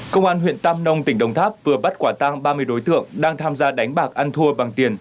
công an huyện tam nông tỉnh đồng tháp vừa bắt quả tang ba mươi đối tượng đang tham gia đánh bạc ăn thua bằng tiền